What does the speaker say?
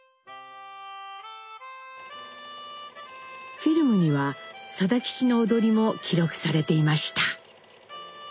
フィルムには定吉の踊りも記録されていました。